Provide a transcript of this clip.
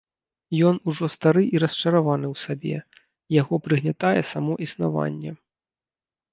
Ён ужо стары і расчараваны ў сабе, яго прыгнятае само існаванне.